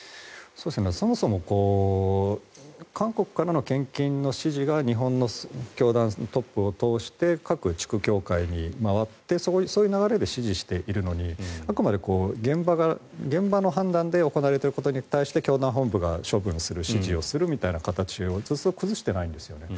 そもそも韓国からの献金の指示が日本の教団トップを通して各地区教会に回ってそういう流れで指示しているのにあくまで現場の判断で行われていることに対して教団本部が処分する指示をするみたいな形をずっと崩してないんですよね。